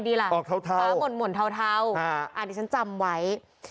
เดี๋ยวฉันจำไว้